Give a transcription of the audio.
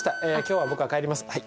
え今日は僕は帰ります。